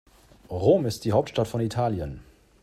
Rom ist die Hauptstadt von Italien.